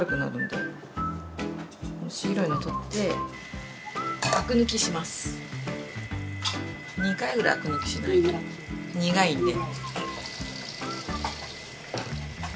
２回ぐらいアク抜きしないと苦いんで。